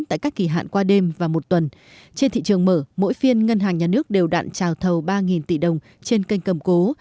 tại các kỳ hạn qua đêm và một tuần trên thị trường mở mỗi phiên ngân hàng nhà nước đều đạn trào thầu ba tỷ đồng trên kênh cầm cố